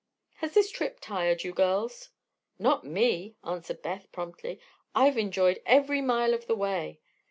Has the trip tired you, girls?" "Not me," answered Beth, promptly. "I've enjoyed every mile of the way."